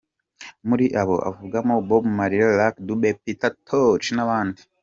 Muri abo avugamo Bob Marley, Lucky Dube, Peter Toch n’abandi.